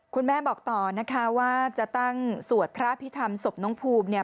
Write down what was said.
คุณแม่บอกต่อนะคะว่าจะตั้งสวดพระพิธรรมศพน้องภูมิเนี่ย